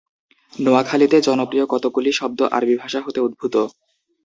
নোয়াখালীতে জনপ্রিয় কতগুলি শব্দ আরবি ভাষা হতে উদ্ভূত।